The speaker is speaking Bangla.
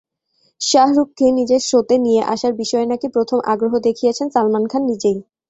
শাহরুখকে নিজের শোতে নিয়ে আসার বিষয়ে নাকি প্রথম আগ্রহ দেখিয়েছেন সালমান খান নিজেই।